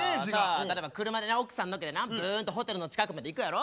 例えば車でな奥さん乗っけてなブーンとホテルの近くまで行くやろ。